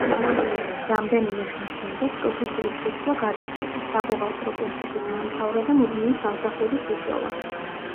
რამდენიმე ხნის შემდეგ პროფესიის შეცვლა გადაწყვიტა, საბუღალტრო კურსები დაამთავრა და მუდმივი სამსახურის იშოვა.